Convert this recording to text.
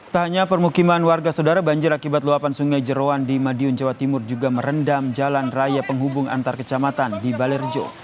tak hanya permukiman warga saudara banjir akibat luapan sungai jeruan di madiun jawa timur juga merendam jalan raya penghubung antar kecamatan di balerjo